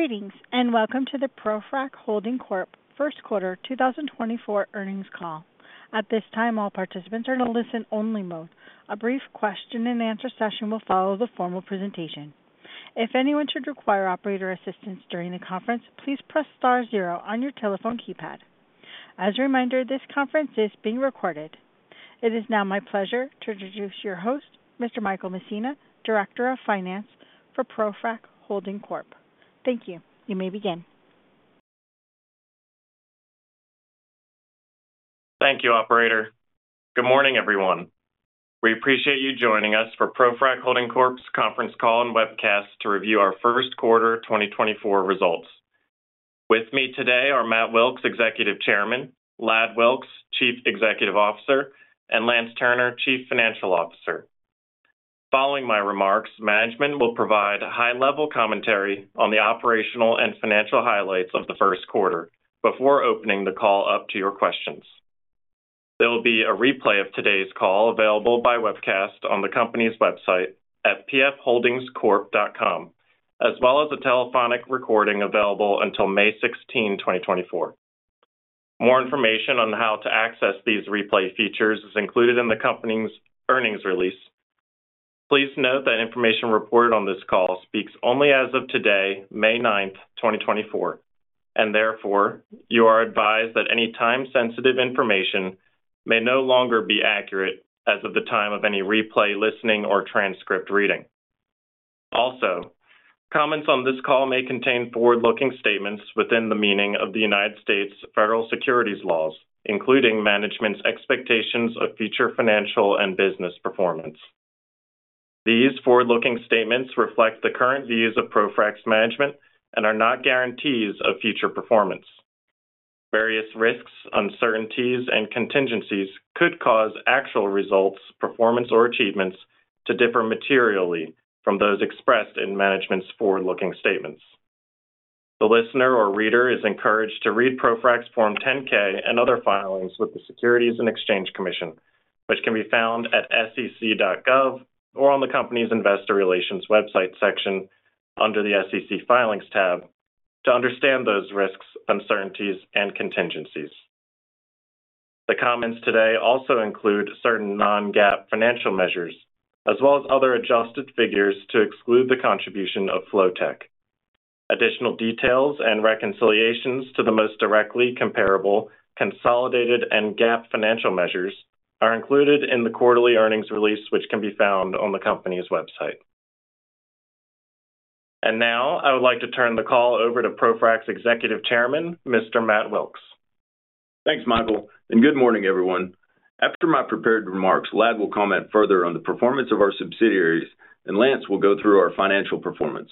Greetings and welcome to the ProFrac Holding Corp First Quarter 2024 earnings call. At this time, all participants are in a listen-only mode. A brief question-and-answer session will follow the formal presentation. If anyone should require operator assistance during the conference, please press star zero on your telephone keypad. As a reminder, this conference is being recorded. It is now my pleasure to introduce your host, Mr. Michael Messina, Director of Finance for ProFrac Holding Corp. Thank you. You may begin. Thank you, Operator. Good morning, everyone. We appreciate you joining us for ProFrac Holding Corp's conference call and webcast to review our first quarter 2024 results. With me today are Matt Wilks, Executive Chairman, Ladd Wilks, Chief Executive Officer, and Lance Turner, Chief Financial Officer. Following my remarks, management will provide high-level commentary on the operational and financial highlights of the first quarter before opening the call up to your questions. There will be a replay of today's call available by webcast on the company's website at pfholdingscorp.com, as well as a telephonic recording available until May 16, 2024. More information on how to access these replay features is included in the company's earnings release. Please note that information reported on this call speaks only as of today, May 9th, 2024, and therefore you are advised that any time-sensitive information may no longer be accurate as of the time of any replay listening or transcript reading. Also, comments on this call may contain forward-looking statements within the meaning of the United States Federal Securities laws, including management's expectations of future financial and business performance. These forward-looking statements reflect the current views of ProFrac's management and are not guarantees of future performance. Various risks, uncertainties, and contingencies could cause actual results, performance, or achievements to differ materially from those expressed in management's forward-looking statements. The listener or reader is encouraged to read ProFrac's Form 10-K and other filings with the Securities and Exchange Commission, which can be found at sec.gov or on the company's Investor Relations website section under the SEC Filings tab, to understand those risks, uncertainties, and contingencies. The comments today also include certain non-GAAP financial measures, as well as other adjusted figures to exclude the contribution of Flotek. Additional details and reconciliations to the most directly comparable consolidated and GAAP financial measures are included in the quarterly earnings release, which can be found on the company's website. And now I would like to turn the call over to ProFrac's Executive Chairman, Mr. Matt Wilks. Thanks, Michael, and good morning, everyone. After my prepared remarks, Ladd will comment further on the performance of our subsidiaries, and Lance will go through our financial performance.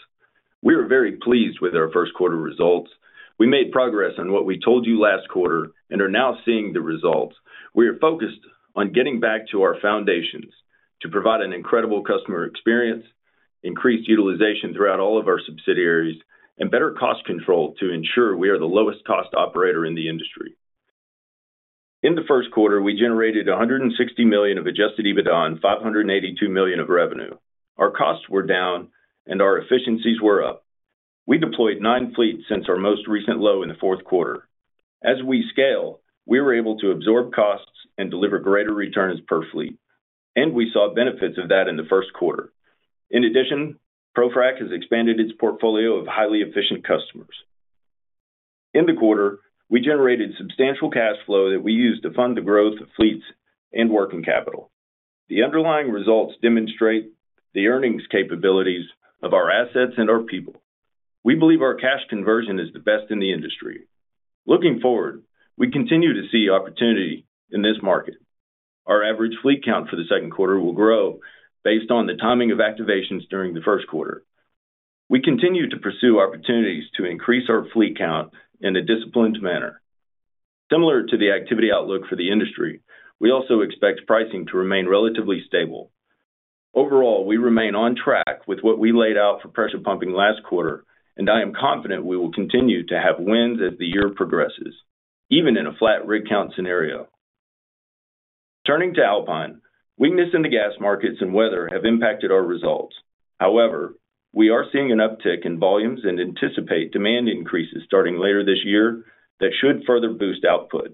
We are very pleased with our first quarter results. We made progress on what we told you last quarter and are now seeing the results. We are focused on getting back to our foundations to provide an incredible customer experience, increased utilization throughout all of our subsidiaries, and better cost control to ensure we are the lowest-cost operator in the industry. In the first quarter, we generated $160 million of Adjusted EBITDA and $582 million of revenue. Our costs were down and our efficiencies were up. We deployed 9 fleets since our most recent low in the fourth quarter. As we scale, we were able to absorb costs and deliver greater returns per fleet, and we saw benefits of that in the first quarter. In addition, ProFrac has expanded its portfolio of highly efficient customers. In the quarter, we generated substantial cash flow that we used to fund the growth of fleets and working capital. The underlying results demonstrate the earnings capabilities of our assets and our people. We believe our cash conversion is the best in the industry. Looking forward, we continue to see opportunity in this market. Our average fleet count for the second quarter will grow based on the timing of activations during the first quarter. We continue to pursue opportunities to increase our fleet count in a disciplined manner. Similar to the activity outlook for the industry, we also expect pricing to remain relatively stable. Overall, we remain on track with what we laid out for Pressure Pumping last quarter, and I am confident we will continue to have wins as the year progresses, even in a flat rig count scenario. Turning to Alpine, weakness in the gas markets and weather have impacted our results. However, we are seeing an uptick in volumes and anticipate demand increases starting later this year that should further boost output.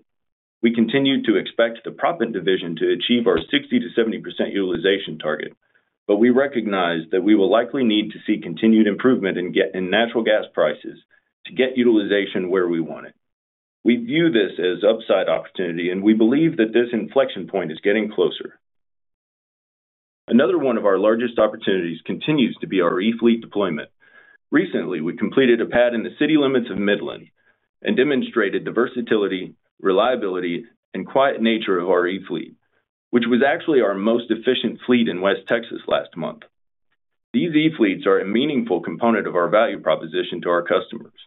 We continue to expect the Proppant division to achieve our 60%-70% utilization target, but we recognize that we will likely need to see continued improvement in natural gas prices to get utilization where we want it. We view this as upside opportunity, and we believe that this inflection point is getting closer. Another one of our largest opportunities continues to be our E-fleet deployment. Recently, we completed a pad in the city limits of Midland and demonstrated the versatility, reliability, and quiet nature of our E-fleet, which was actually our most efficient fleet in West Texas last month. These E-fleets are a meaningful component of our value proposition to our customers.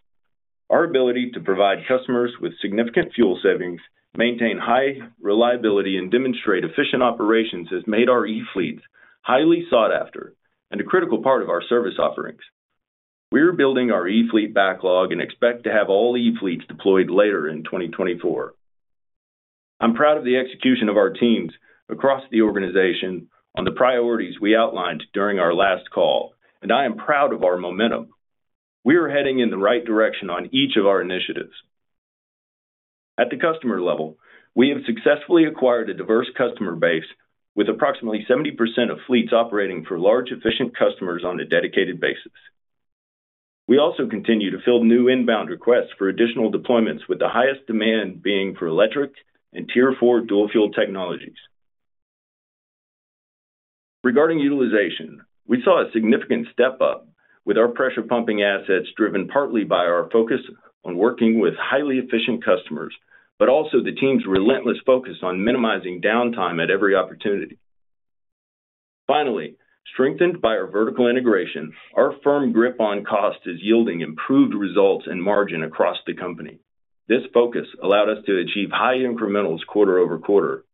Our ability to provide customers with significant fuel savings, maintain high reliability, and demonstrate efficient operations has made our E-fleets highly sought after and a critical part of our service offerings. We are building our E-fleet backlog and expect to have all E-fleets deployed later in 2024. I'm proud of the execution of our teams across the organization on the priorities we outlined during our last call, and I am proud of our momentum. We are heading in the right direction on each of our initiatives. At the customer level, we have successfully acquired a diverse customer base with approximately 70% of fleets operating for large efficient customers on a dedicated basis. We also continue to fill new inbound requests for additional deployments, with the highest demand being for electric and Tier 4 Dual Fuel technologies. Regarding utilization, we saw a significant step up with our Pressure Pumping assets driven partly by our focus on working with highly efficient customers, but also the team's relentless focus on minimizing downtime at every opportunity. Finally, strengthened by our vertical integration, our firm grip on cost is yielding improved results and margin across the company. This focus allowed us to achieve high incrementals quarter-over-quarter.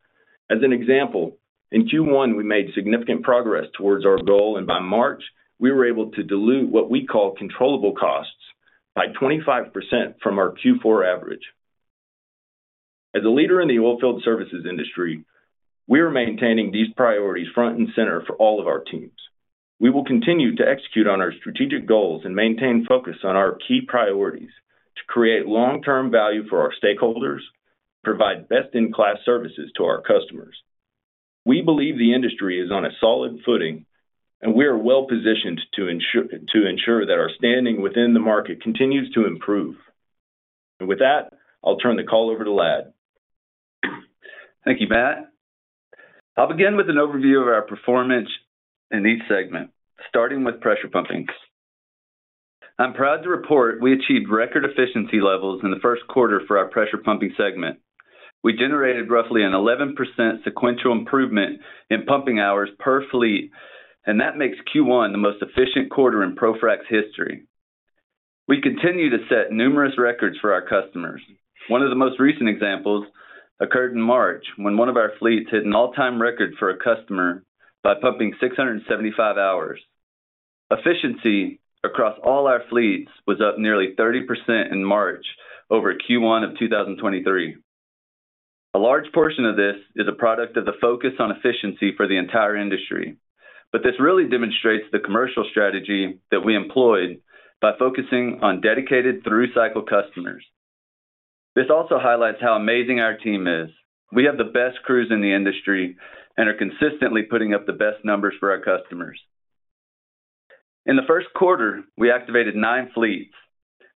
As an example, in Q1, we made significant progress towards our goal, and by March, we were able to dilute what we call controllable costs by 25% from our Q4 average. As a leader in the oilfield services industry, we are maintaining these priorities front and center for all of our teams. We will continue to execute on our strategic goals and maintain focus on our key priorities to create long-term value for our stakeholders and provide best-in-class services to our customers. We believe the industry is on a solid footing, and we are well positioned to ensure that our standing within the market continues to improve. With that, I'll turn the call over to Ladd. Thank you, Matt. I'll begin with an overview of our performance in each segment, starting with pressure pumping. I'm proud to report we achieved record efficiency levels in the first quarter for our pressure pumping segment. We generated roughly an 11% sequential improvement in pumping hours per fleet, and that makes Q1 the most efficient quarter in ProFrac's history. We continue to set numerous records for our customers. One of the most recent examples occurred in March when one of our fleets hit an all-time record for a customer by pumping 675 hours. Efficiency across all our fleets was up nearly 30% in March over Q1 of 2023. A large portion of this is a product of the focus on efficiency for the entire industry, but this really demonstrates the commercial strategy that we employed by focusing on dedicated through-cycle customers. This also highlights how amazing our team is. We have the best crews in the industry and are consistently putting up the best numbers for our customers. In the first quarter, we activated nine fleets,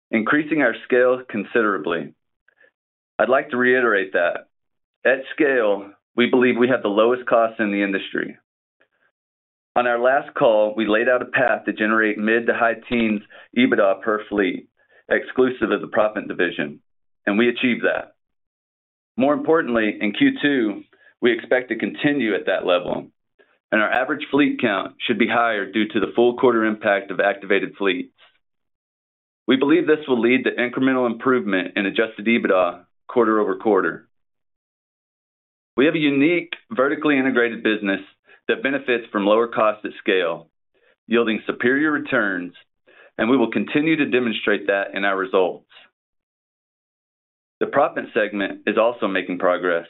increasing our scale considerably. I'd like to reiterate that. At scale, we believe we have the lowest costs in the industry. On our last call, we laid out a path to generate mid- to high-teens EBITDA per fleet exclusive of the proppant division, and we achieved that. More importantly, in Q2, we expect to continue at that level, and our average fleet count should be higher due to the full quarter impact of activated fleets. We believe this will lead to incremental improvement in Adjusted EBITDA quarter-over-quarter. We have a unique vertically integrated business that benefits from lower costs at scale, yielding superior returns, and we will continue to demonstrate that in our results. The Proppant segment is also making progress.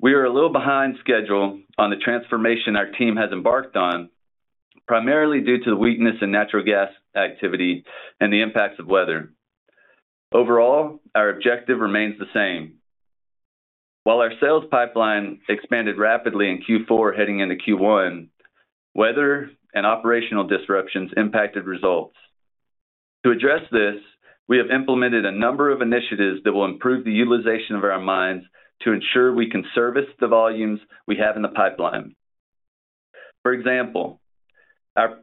We are a little behind schedule on the transformation our team has embarked on, primarily due to the weakness in natural gas activity and the impacts of weather. Overall, our objective remains the same. While our sales pipeline expanded rapidly in Q4 heading into Q1, weather and operational disruptions impacted results. To address this, we have implemented a number of initiatives that will improve the utilization of our mines to ensure we can service the volumes we have in the pipeline. For example, our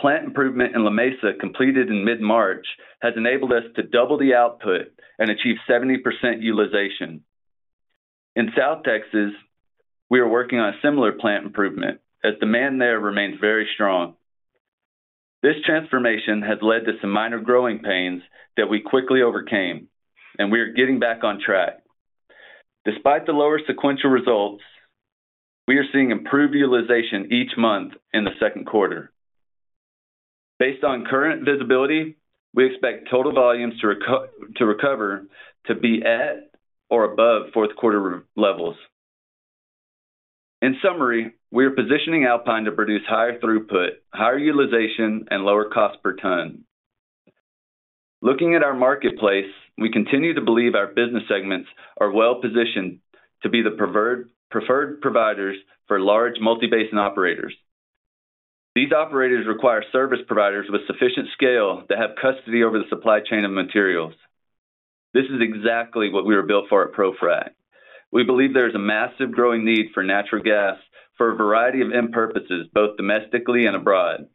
plant improvement in Lamesa completed in mid-March has enabled us to double the output and achieve 70% utilization. In South Texas, we are working on a similar plant improvement as demand there remains very strong. This transformation has led to some minor growing pains that we quickly overcame, and we are getting back on track. Despite the lower sequential results, we are seeing improved utilization each month in the second quarter. Based on current visibility, we expect total volumes to recover to be at or above fourth quarter levels. In summary, we are positioning Alpine to produce higher throughput, higher utilization, and lower cost per ton. Looking at our marketplace, we continue to believe our business segments are well positioned to be the preferred providers for large multi-base operators. These operators require service providers with sufficient scale that have custody over the supply chain of materials. This is exactly what we were built for at ProFrac. We believe there is a massive growing need for natural gas for a variety of end purposes, both domestically and abroad.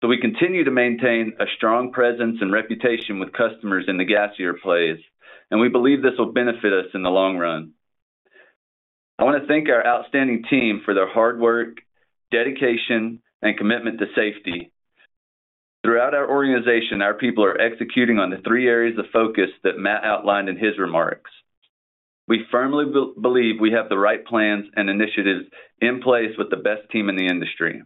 So we continue to maintain a strong presence and reputation with customers in the gassier plays, and we believe this will benefit us in the long run. I want to thank our outstanding team for their hard work, dedication, and commitment to safety. Throughout our organization, our people are executing on the three areas of focus that Matt outlined in his remarks. We firmly believe we have the right plans and initiatives in place with the best team in the industry.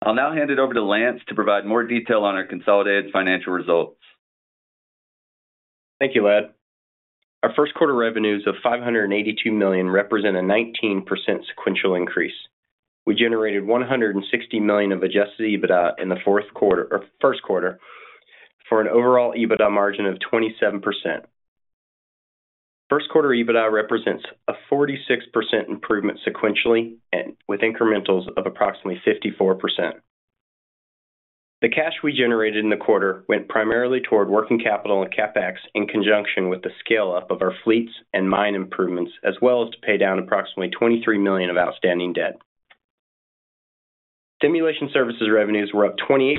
I'll now hand it over to Lance to provide more detail on our consolidated financial results. Thank you, Ladd. Our first quarter revenues of $582 million represent a 19% sequential increase. We generated $160 million of adjusted EBITDA in the first quarter for an overall EBITDA margin of 27%. First quarter EBITDA represents a 46% improvement sequentially with incrementals of approximately 54%. The cash we generated in the quarter went primarily toward working capital and CapEx in conjunction with the scale-up of our fleets and mine improvements, as well as to pay down approximately $23 million of outstanding debt. Stimulation services revenues were up 28%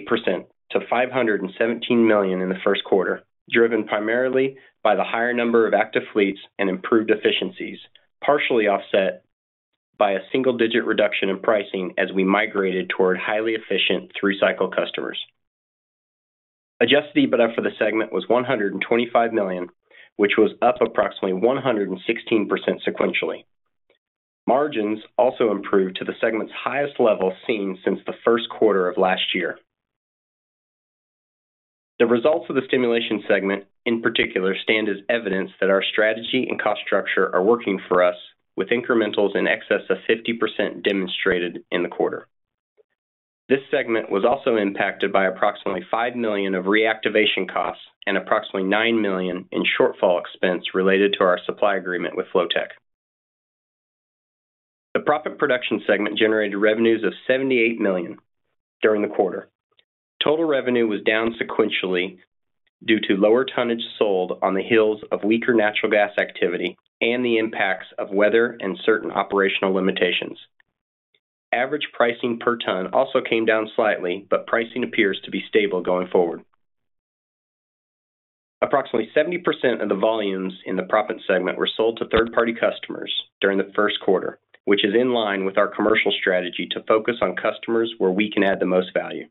to $517 million in the first quarter, driven primarily by the higher number of active fleets and improved efficiencies, partially offset by a single-digit reduction in pricing as we migrated toward highly efficient through-cycle customers. Adjusted EBITDA for the segment was $125 million, which was up approximately 116% sequentially. Margins also improved to the segment's highest level seen since the first quarter of last year. The results of the Stimulation segment, in particular, stand as evidence that our strategy and cost structure are working for us, with incrementals in excess of 50% demonstrated in the quarter. This segment was also impacted by approximately $5 million of reactivation costs and approximately $9 million in shortfall expense related to our supply agreement with Flotek. The proppant production segment generated revenues of $78 million during the quarter. Total revenue was down sequentially due to lower tonnage sold on the heels of weaker natural gas activity and the impacts of weather and certain operational limitations. Average pricing per ton also came down slightly, but pricing appears to be stable going forward. Approximately 70% of the volumes in the Proppant segment were sold to third-party customers during the first quarter, which is in line with our commercial strategy to focus on customers where we can add the most value.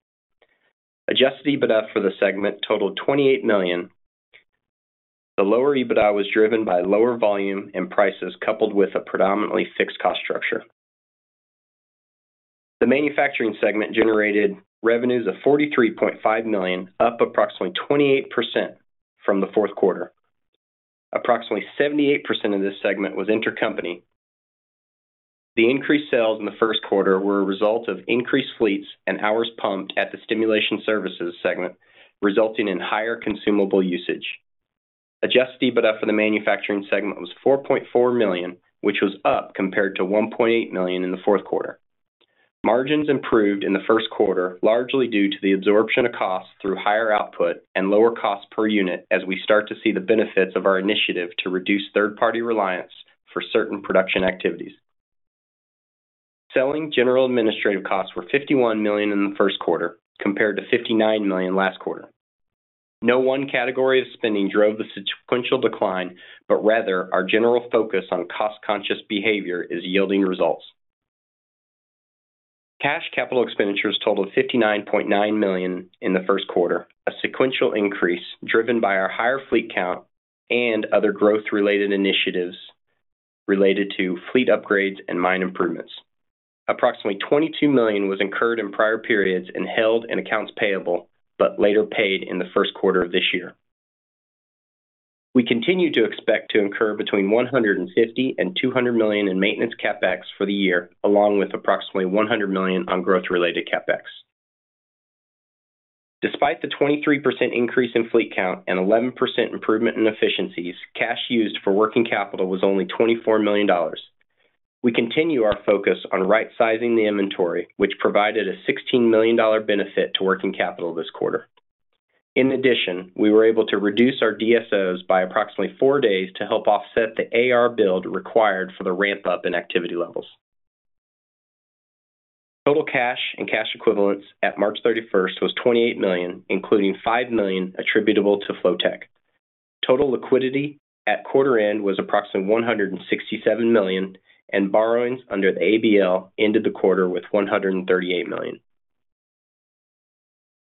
Adjusted EBITDA for the segment totaled $28 million. The lower EBITDA was driven by lower volume and prices coupled with a predominantly fixed cost structure. The manufacturing segment generated revenues of $43.5 million, up approximately 28% from the fourth quarter. Approximately 78% of this segment was intercompany. The increased sales in the first quarter were a result of increased fleets and hours pumped at the stimulation services segment, resulting in higher consumable usage. Adjusted EBITDA for the manufacturing segment was $4.4 million, which was up compared to $1.8 million in the fourth quarter. Margins improved in the first quarter, largely due to the absorption of costs through higher output and lower cost per unit as we start to see the benefits of our initiative to reduce third-party reliance for certain production activities. Selling general administrative costs were $51 million in the first quarter compared to $59 million last quarter. No one category of spending drove the sequential decline, but rather our general focus on cost-conscious behavior is yielding results. Cash capital expenditures totaled $59.9 million in the first quarter, a sequential increase driven by our higher fleet count and other growth-related initiatives related to fleet upgrades and mine improvements. Approximately $22 million was incurred in prior periods and held in accounts payable but later paid in the first quarter of this year. We continue to expect to incur between $150 million-$200 million in maintenance CapEx for the year, along with approximately $100 million on growth-related CapEx. Despite the 23% increase in fleet count and 11% improvement in efficiencies, cash used for working capital was only $24 million. We continue our focus on right-sizing the inventory, which provided a $16 million benefit to working capital this quarter. In addition, we were able to reduce our DSOs by approximately four days to help offset the AR build required for the ramp-up in activity levels. Total cash and cash equivalents at March 31st was $28 million, including $5 million attributable to Flotek. Total liquidity at quarter end was approximately $167 million, and borrowings under the ABL ended the quarter with $138 million.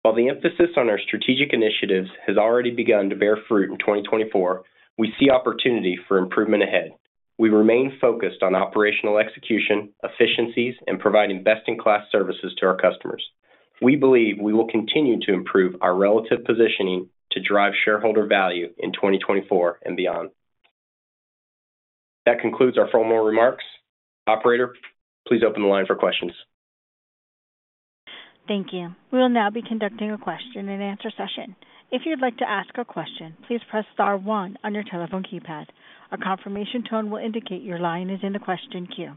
While the emphasis on our strategic initiatives has already begun to bear fruit in 2024, we see opportunity for improvement ahead. We remain focused on operational execution, efficiencies, and providing best-in-class services to our customers. We believe we will continue to improve our relative positioning to drive shareholder value in 2024 and beyond. That concludes our formal remarks. Operator, please open the line for questions. Thank you. We will now be conducting a question-and-answer session. If you'd like to ask a question, please press star one on your telephone keypad. A confirmation tone will indicate your line is in the question queue.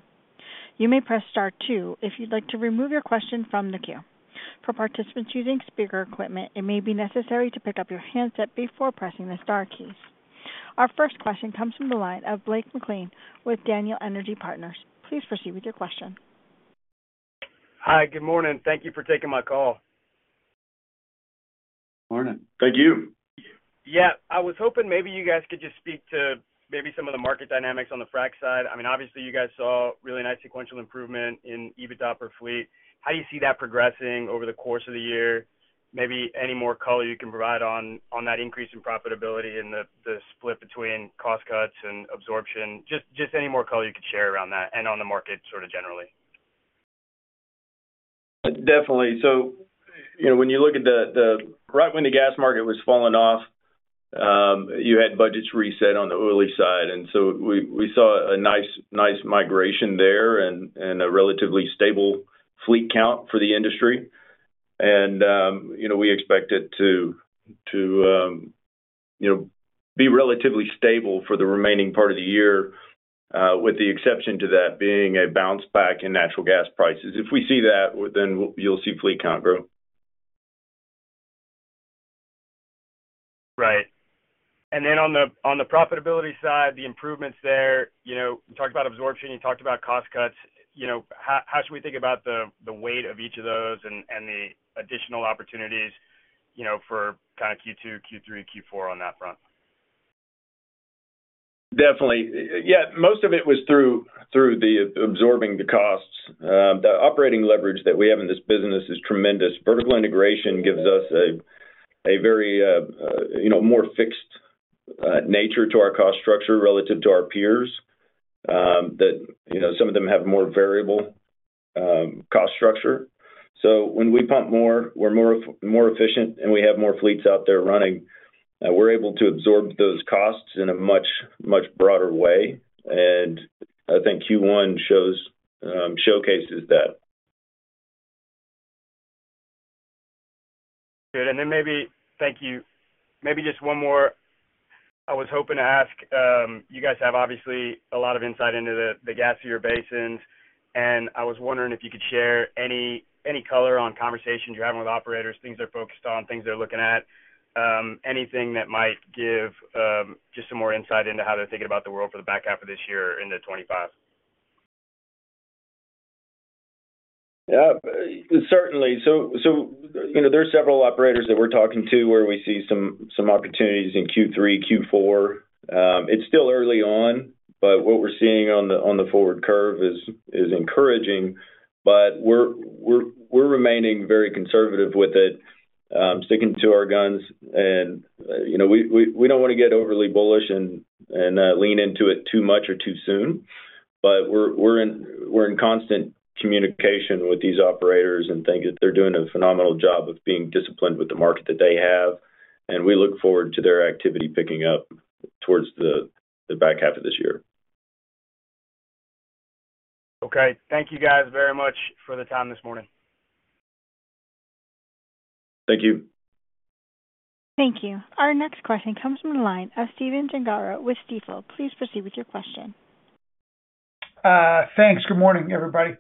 You may press star two if you'd like to remove your question from the queue. For participants using speaker equipment, it may be necessary to pick up your handset before pressing the star keys. Our first question comes from the line of Blake McLean with Daniel Energy Partners. Please proceed with your question. Hi. Good morning. Thank you for taking my call. Morning. Thank you. Yeah. I was hoping maybe you guys could just speak to maybe some of the market dynamics on the frac side. I mean, obviously, you guys saw really nice sequential improvement in EBITDA per fleet. How do you see that progressing over the course of the year? Maybe any more color you can provide on that increase in profitability and the split between cost cuts and absorption. Just any more color you could share around that and on the market sort of generally. Definitely. So when you look at the right when the gas market was falling off, you had budgets reset on the oily side. And so we saw a nice migration there and a relatively stable fleet count for the industry. And we expect it to be relatively stable for the remaining part of the year, with the exception to that being a bounce back in natural gas prices. If we see that, then you'll see fleet count grow. Right. And then on the profitability side, the improvements there, you talked about absorption, you talked about cost cuts. How should we think about the weight of each of those and the additional opportunities for kind of Q2, Q3, Q4 on that front? Definitely. Yeah. Most of it was through absorbing the costs. The operating leverage that we have in this business is tremendous. Vertical integration gives us a very more fixed nature to our cost structure relative to our peers, that some of them have more variable cost structure. So when we pump more, we're more efficient, and we have more fleets out there running, we're able to absorb those costs in a much broader way. And I think Q1 showcases that. Good. And then, maybe, thank you. Maybe just one more. I was hoping to ask you guys have, obviously, a lot of insight into the gassier basins. I was wondering if you could share any color on conversations you're having with operators, things they're focused on, things they're looking at, anything that might give just some more insight into how they're thinking about the world for the back half of this year or into 2025. Yeah. Certainly. So there's several operators that we're talking to where we see some opportunities in Q3, Q4. It's still early on, but what we're seeing on the forward curve is encouraging. But we're remaining very conservative with it, sticking to our guns. And we don't want to get overly bullish and lean into it too much or too soon. But we're in constant communication with these operators and think that they're doing a phenomenal job of being disciplined with the market that they have. And we look forward to their activity picking up towards the back half of this year. Okay. Thank you guys very much for the time this morning. Thank you. Thank you. Our next question comes from the line of Stephen Gengaro with Stifel. Please proceed with your question. Thanks. Good morning, everybody. Good morning.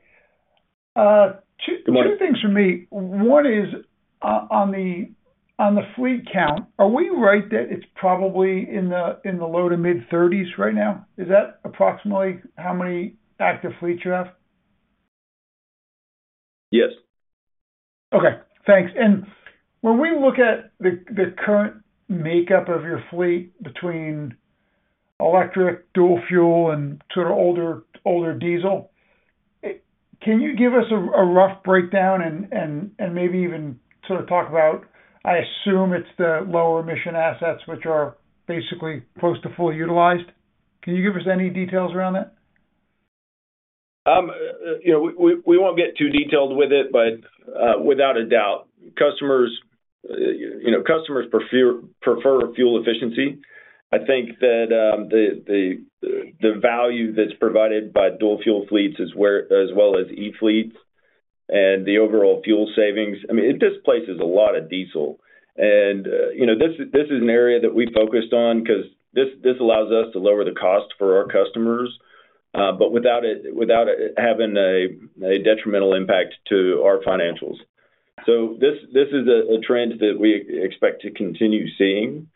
Two things from me. One is on the fleet count, are we right that it's probably in the low- to mid-30s right now? Is that approximately how many active fleets you have? Yes. Okay. Thanks. And when we look at the current makeup of your fleet between electric, dual fuel, and sort of older diesel, can you give us a rough breakdown and maybe even sort of talk about I assume it's the lower emission assets, which are basically close to fully utilized. Can you give us any details around that? We won't get too detailed with it, but without a doubt, customers prefer fuel efficiency. I think that the value that's provided by dual fuel fleets as well as E-fleets and the overall fuel savings I mean, it displaces a lot of diesel. And this is an area that we focused on because this allows us to lower the cost for our customers, but without it having a detrimental impact to our financials. So this is a trend that we expect to continue seeing.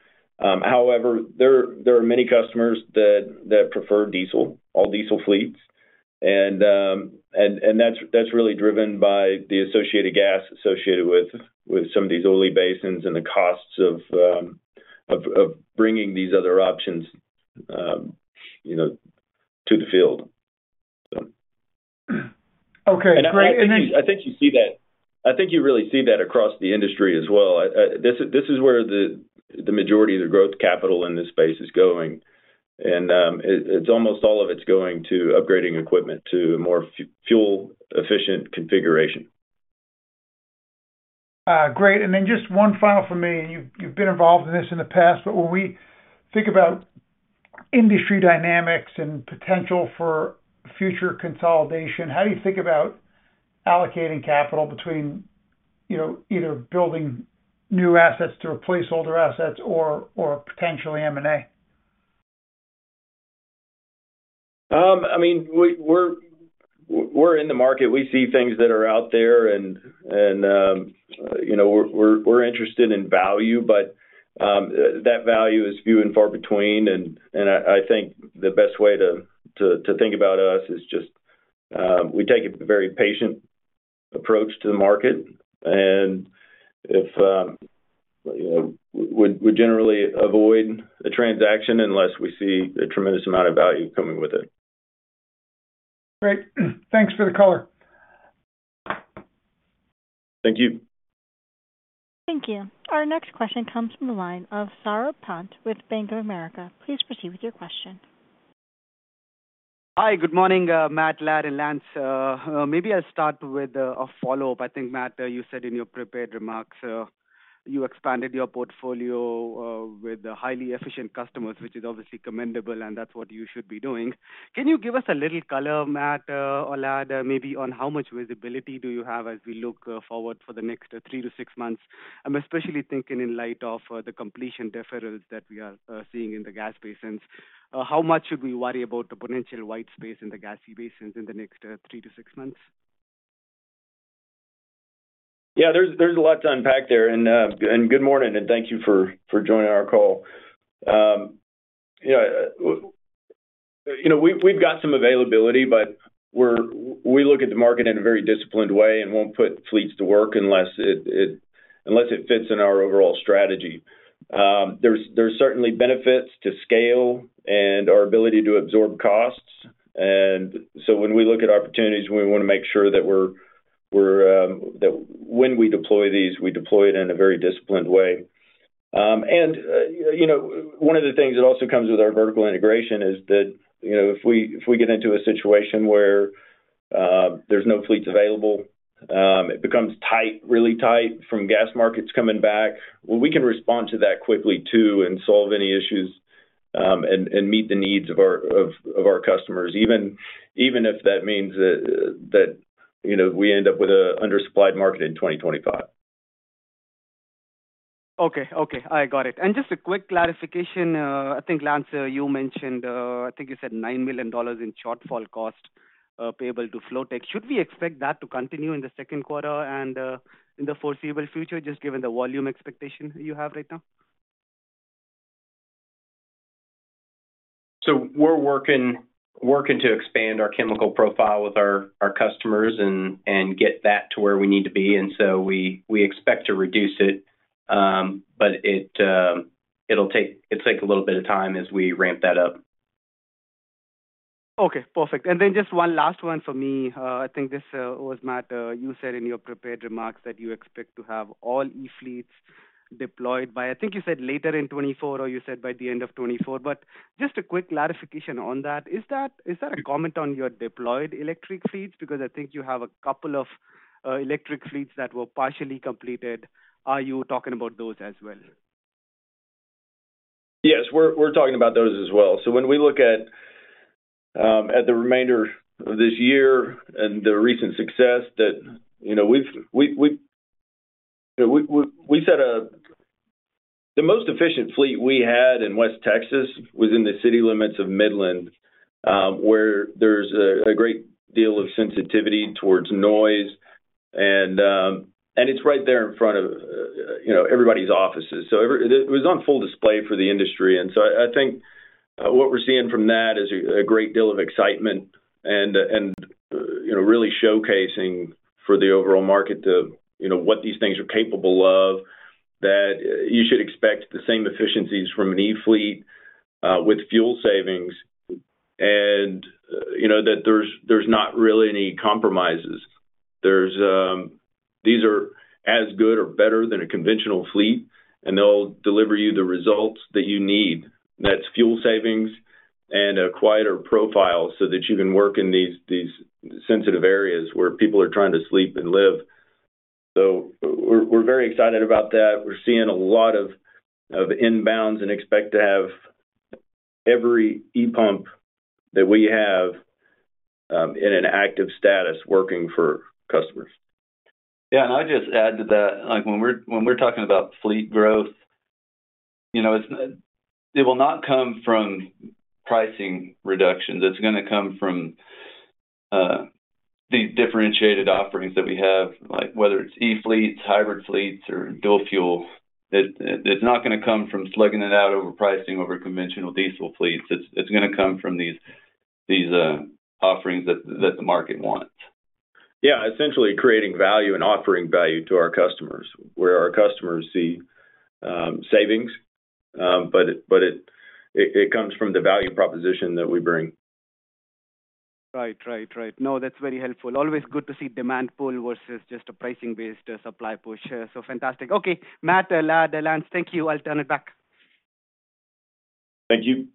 However, there are many customers that prefer diesel, all diesel fleets. And that's really driven by the associated gas associated with some of these oily basins and the costs of bringing these other options to the field. Okay. Great. And then. I think you see that I think you really see that across the industry as well. This is where the majority of the growth capital in this space is going. It's almost all of it's going to upgrading equipment to a more fuel-efficient configuration. Great. And then just one final from me. You've been involved in this in the past, but when we think about industry dynamics and potential for future consolidation, how do you think about allocating capital between either building new assets to replace older assets or potentially M&A? I mean, we're in the market. We see things that are out there, and we're interested in value, but that value is few and far between. I think the best way to think about us is just we take a very patient approach to the market and would generally avoid a transaction unless we see a tremendous amount of value coming with it. Great. Thanks for the color. Thank you. Thank you. Our next question comes from the line of Saurabh Pant with Bank of America. Please proceed with your question. Hi. Good morning, Matt, Ladd, and Lance. Maybe I'll start with a follow-up. I think, Matt, you said in your prepared remarks you expanded your portfolio with highly efficient customers, which is obviously commendable, and that's what you should be doing. Can you give us a little color, Matt or Ladd, maybe on how much visibility do you have as we look forward for the next three to six months? I'm especially thinking in light of the completion deferrals that we are seeing in the gas basins. How much should we worry about the potential white space in the gas-heavy basins in the next three to six months? Yeah. There's a lot to unpack there. And good morning, and thank you for joining our call. We've got some availability, but we look at the market in a very disciplined way and won't put fleets to work unless it fits in our overall strategy. There's certainly benefits to scale and our ability to absorb costs. And so when we look at opportunities, we want to make sure that when we deploy these, we deploy it in a very disciplined way. And one of the things that also comes with our vertical integration is that if we get into a situation where there's no fleets available, it becomes tight, really tight from gas markets coming back. Well, we can respond to that quickly too and solve any issues and meet the needs of our customers, even if that means that we end up with an undersupplied market in 2025. Okay. Okay. I got it. Just a quick clarification. I think, Lance, you mentioned I think you said $9 million in shortfall cost payable to Flotek. Should we expect that to continue in the second quarter and in the foreseeable future, just given the volume expectation you have right now? We're working to expand our chemical profile with our customers and get that to where we need to be. We expect to reduce it, but it'll take a little bit of time as we ramp that up. Okay. Perfect. And then just one last one from me. I think this was, Matt, you said in your prepared remarks that you expect to have all e-fleets deployed by I think you said later in 2024 or you said by the end of 2024. But just a quick clarification on that. Is that a comment on your deployed electric fleets? Because I think you have a couple of electric fleets that were partially completed. Are you talking about those as well? Yes. We're talking about those as well. So when we look at the remainder of this year and the recent success that we've set the most efficient fleet we had in West Texas was in the city limits of Midland, where there's a great deal of sensitivity toward noise. And it's right there in front of everybody's offices. So it was on full display for the industry. And so I think what we're seeing from that is a great deal of excitement and really showcasing for the overall market what these things are capable of, that you should expect the same efficiencies from an E-fleet with fuel savings, and that there's not really any compromises. These are as good or better than a conventional fleet, and they'll deliver you the results that you need. That's fuel savings and a quieter profile so that you can work in these sensitive areas where people are trying to sleep and live. So we're very excited about that. We're seeing a lot of inbounds and expect to have every e-pump that we have in an active status working for customers. Yeah. And I'll just add to that. When we're talking about fleet growth, it will not come from pricing reductions. It's going to come from these differentiated offerings that we have, whether it's E-fleets, hybrid fleets, or dual fuel. It's not going to come from slugging it out over pricing over conventional diesel fleets. It's going to come from these offerings that the market wants. Yeah. Essentially, creating value and offering value to our customers, where our customers see savings, but it comes from the value proposition that we bring. Right. Right. Right. No, that's very helpful. Always good to see demand pull versus just a pricing-based supply push. So fantastic. Okay. Matt, Ladd, Lance, thank you. I'll turn it back. Thank you.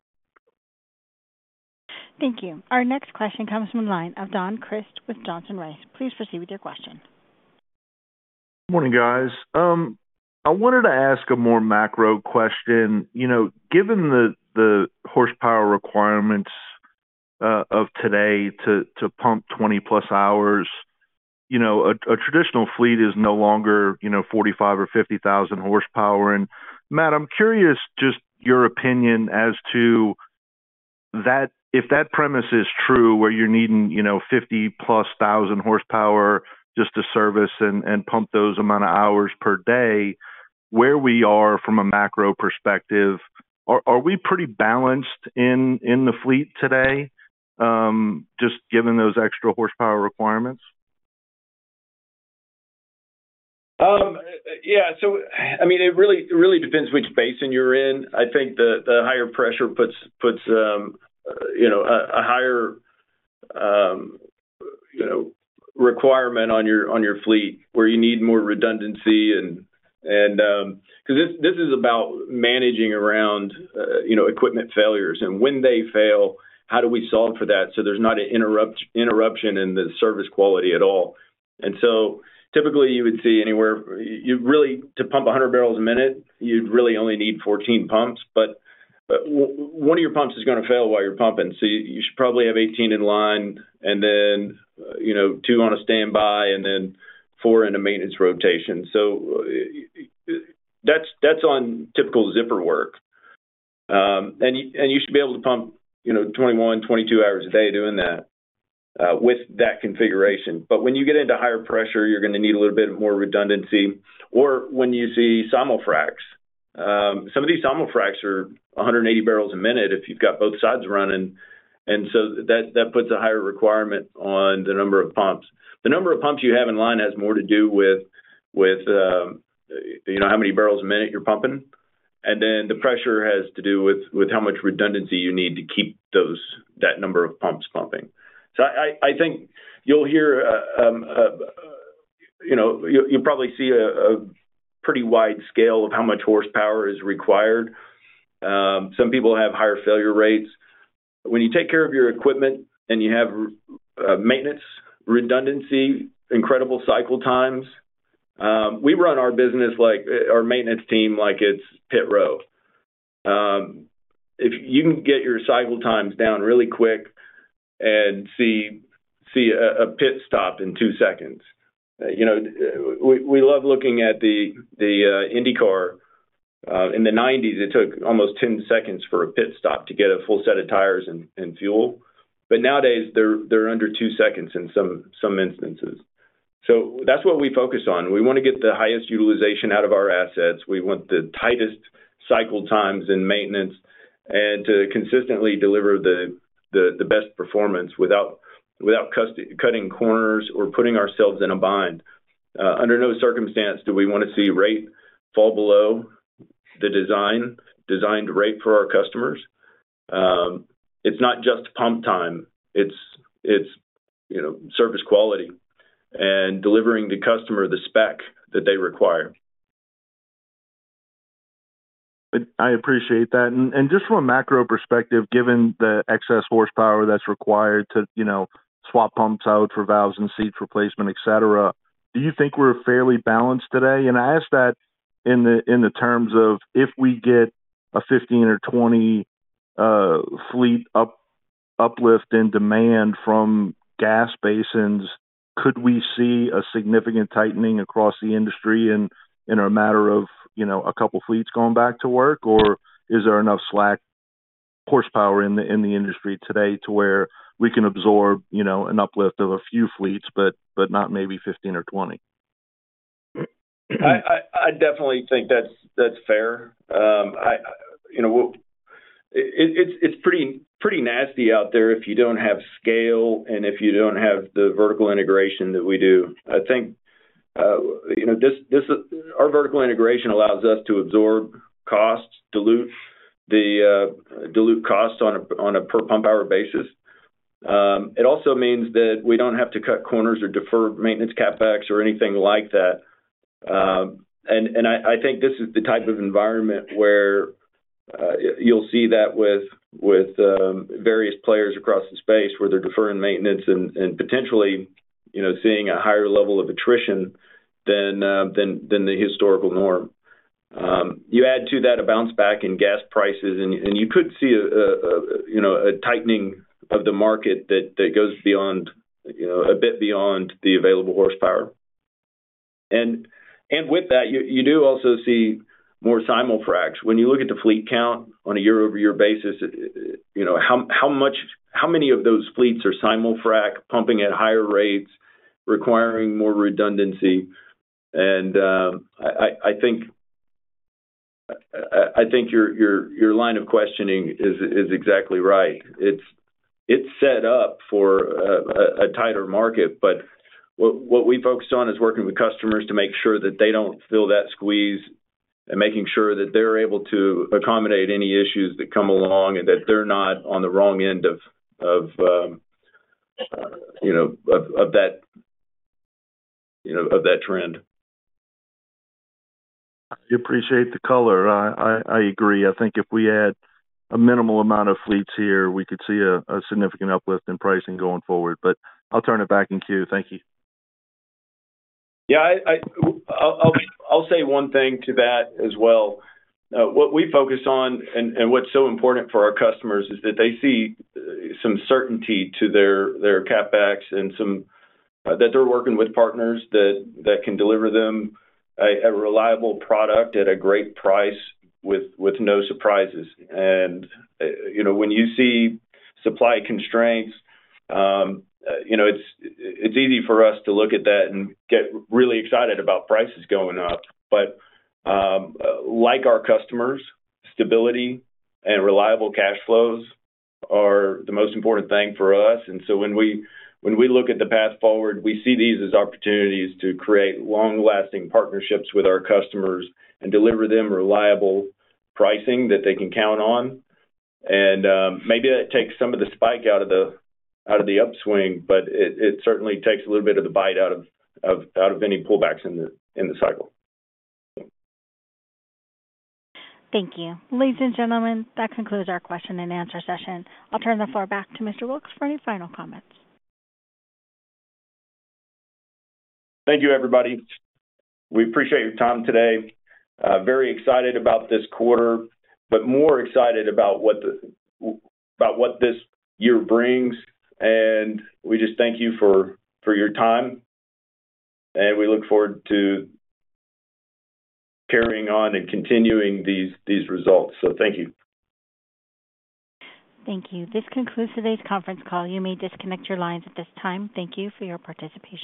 Thank you. Our next question comes from the line of Don Crist with Johnson Rice. Please proceed with your question. Good morning, guys. I wanted to ask a more macro question. Given the horsepower requirements of today to pump 20+ hours, a traditional fleet is no longer 45,000 or 50,000 horsepower. And, Matt, I'm curious just your opinion as to if that premise is true, where you're needing 50,000+ horsepower just to service and pump those amount of hours per day, where we are from a macro perspective, are we pretty balanced in the fleet today, just given those extra horsepower requirements? Yeah. So, I mean, it really depends which basin you're in. I think the higher pressure puts a higher requirement on your fleet, where you need more redundancy and because this is about managing around equipment failures. And when they fail, how do we solve for that so there's not an interruption in the service quality at all? And so, typically, you would see anywhere really, to pump 100 barrels a minute, you'd really only need 14 pumps. But one of your pumps is going to fail while you're pumping. So you should probably have 18 in line and then 2 on standby and then 4 in a maintenance rotation. So that's on typical zipper frac. And you should be able to pump 21-22 hours a day doing that with that configuration. But when you get into higher pressure, you're going to need a little bit more redundancy. Or when you see simul-fracs, some of these simul-fracs are 180 barrels a minute if you've got both sides running. And so that puts a higher requirement on the number of pumps. The number of pumps you have in line has more to do with how many barrels a minute you're pumping. And then the pressure has to do with how much redundancy you need to keep that number of pumps pumping. So I think you'll hear you'll probably see a pretty wide scale of how much horsepower is required. Some people have higher failure rates. When you take care of your equipment and you have maintenance redundancy, incredible cycle times, we run our business, our maintenance team, like it's pit row. If you can get your cycle times down really quick and see a pit stop in 2 seconds we love looking at the IndyCar. In the 1990s, it took almost 10 seconds for a pit stop to get a full set of tires and fuel. But nowadays, they're under two seconds in some instances. So that's what we focus on. We want to get the highest utilization out of our assets. We want the tightest cycle times in maintenance and to consistently deliver the best performance without cutting corners or putting ourselves in a bind. Under no circumstance do we want to see rate fall below the designed rate for our customers. It's not just pump time. It's service quality and delivering the customer the spec that they require. I appreciate that. Just from a macro perspective, given the excess horsepower that's required to swap pumps out for valves and seats replacement, etc., do you think we're fairly balanced today? I ask that in the terms of if we get a 15 or 20 fleet uplift in demand from gas basins, could we see a significant tightening across the industry in a matter of a couple of fleets going back to work? Or is there enough slack horsepower in the industry today to where we can absorb an uplift of a few fleets but not maybe 15 or 20? I definitely think that's fair. It's pretty nasty out there if you don't have scale and if you don't have the vertical integration that we do. I think our vertical integration allows us to absorb costs, dilute the costs on a per-pump-hour basis. It also means that we don't have to cut corners or defer Maintenance CapEx or anything like that. And I think this is the type of environment where you'll see that with various players across the space where they're deferring maintenance and potentially seeing a higher level of attrition than the historical norm. You add to that a bounce back in gas prices, and you could see a tightening of the market that goes a bit beyond the available horsepower. And with that, you do also see more simul-fracs. When you look at the fleet count on a year-over-year basis, how many of those fleets are simul-frac, pumping at higher rates, requiring more redundancy? And I think your line of questioning is exactly right. It's set up for a tighter market. But what we focus on is working with customers to make sure that they don't feel that squeeze and making sure that they're able to accommodate any issues that come along and that they're not on the wrong end of that trend. I appreciate the color. I agree. I think if we add a minimal amount of fleets here, we could see a significant uplift in pricing going forward. But I'll turn it back in queue. Thank you. Yeah. I'll say one thing to that as well. What we focus on and what's so important for our customers is that they see some certainty to their capex and that they're working with partners that can deliver them a reliable product at a great price with no surprises. And when you see supply constraints, it's easy for us to look at that and get really excited about prices going up. But like our customers, stability and reliable cash flows are the most important thing for us. And so when we look at the path forward, we see these as opportunities to create long-lasting partnerships with our customers and deliver them reliable pricing that they can count on. And maybe that takes some of the spike out of the upswing, but it certainly takes a little bit of the bite out of any pullbacks in the cycle. Thank you. Ladies and gentlemen, that concludes our question and answer session. I'll turn the floor back to Mr. Wilks for any final comments. Thank you, everybody. We appreciate your time today. Very excited about this quarter, but more excited about what this year brings. We just thank you for your time. We look forward to carrying on and continuing these results. Thank you. Thank you. This concludes today's conference call. You may disconnect your lines at this time. Thank you for your participation.